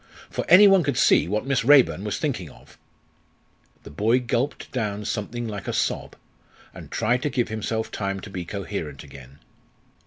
for any one could see what Miss Raeburn was thinking of." The boy gulped down something like a sob, and tried to give himself time to be coherent again.